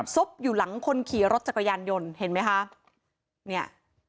บอยู่หลังคนขี่รถจักรยานยนต์เห็นไหมคะเนี่ย